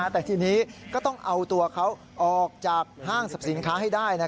แต่ทีนี้ก็ต้องเอาตัวเขาออกจากห้างสรรพสินค้าให้ได้